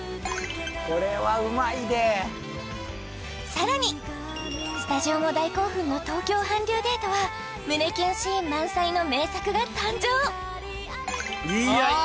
これはうまいでさらにスタジオも大興奮の「東京韓流デート」は胸キュンシーン満載の名作が誕生いや